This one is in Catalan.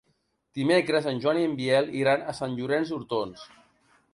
Dimecres en Joan i en Biel iran a Sant Llorenç d'Hortons.